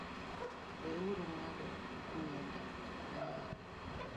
We uru ng’ado nyiende mang’eny